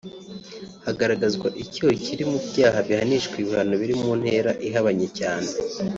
hagaragazwa icyuho kiri mu byaha bihanishwa ibihano biri mu ntera ihabanye cyane